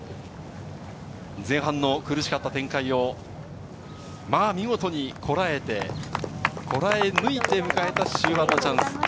前半の苦しかった展開を見事にこらえて、こらえ抜いて迎えた終盤のチャンス。